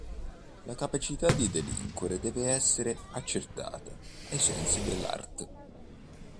La capacità a delinquere deve essere accertata: ai sensi dell'art.